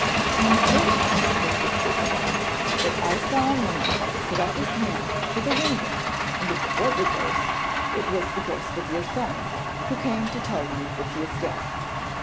'I am certain,' persisted the wife, 'that I saw a man put up his hand to the window, and if it was a ghost, it was the ghost of your son, who came to tell you that he is dead.'